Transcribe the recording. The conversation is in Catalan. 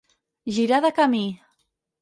Girar de camí.